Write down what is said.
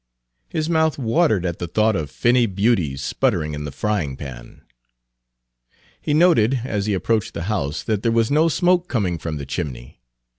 His mouth watered at the thought of the finny beauties sputtering in the frying pan. He noted, as he approached the house, that there was no smoke coming from the chimney.